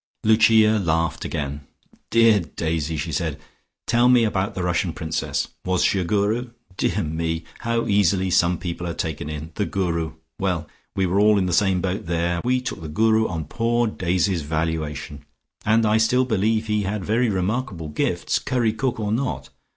Lucia laughed again. "Dear Daisy!" she said. "Tell me about the Russian princess. Was she a Guru? Dear me, how easily some people are taken in! The Guru! Well, we were all in the same boat there. We took the Guru on poor Daisy's valuation, and I still believe he had very remarkable gifts, curry cook or not.